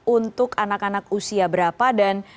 untuk anak anak usia berapa dan